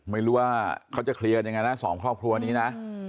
ไม่รู้ว่าเขาจะเคลียร์กันยังไงนะสองครอบครัวนี้นะ